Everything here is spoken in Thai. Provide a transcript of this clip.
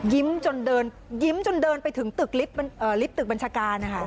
ยิ้มจนเดินไปถึงลิฟต์ถือกบรรชกานะคะ